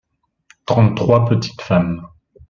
Trente-trois petites femmes.